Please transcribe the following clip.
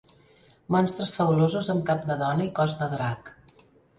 Monstres fabulosos amb cap de dona i cos de drac.